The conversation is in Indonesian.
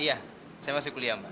iya saya masih kuliah mbak